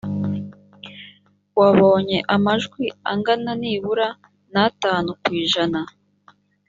wabonye amajwi angana nibura n atanu ku ijana